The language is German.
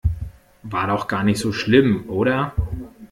War doch gar nicht so schlimm, oder?